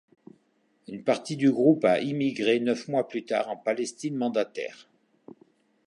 Une partie du groupe a immigré neuf mois plus tard en Palestine mandataire.